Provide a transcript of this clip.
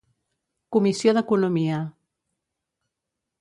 Comissió d'Economia: